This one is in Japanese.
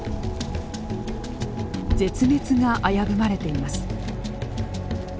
絶滅が危ぶまれています。